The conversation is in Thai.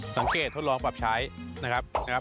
ทดลองปรับใช้นะครับ